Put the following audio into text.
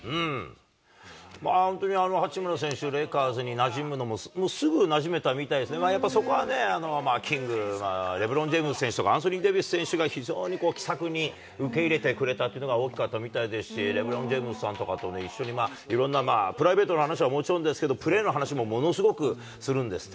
本当に八村選手、レイカーズになじむのも、すぐなじめたみたいですね、やっぱり、そこはね、キング、レブロン・ジェームズ選手とかアンソニー・デービス選手が非常に気さくに受け入れてくれたというのが大きかったみたいですし、レブロン・ジェームズさんとかと一緒にいろんなプライベートな話はもちろんですけど、プレーの話もものすごくするんですって。